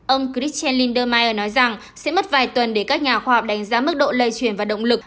ông christian lindemeyer nói rằng sẽ mất vài tuần để các nhà khoa học đánh giá mức độ lây chuyển và động lực